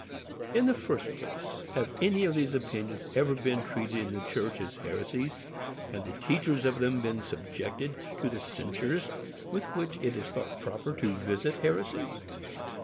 In the first place, have any of these opinions ever been treated in the church as heresies, and the teachers of them been subjected to the censures with which it is thought proper to visit heresy?